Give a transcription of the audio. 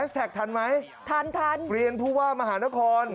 ค่ะทัชแท็กทันไหมทันทันเปลี่ยนผู้ว่ามหานคร